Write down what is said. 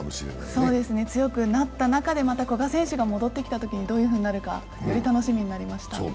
そうですね、強くなった中でまた古賀選手が戻ってきたときに、どうなるかより楽しみになりました。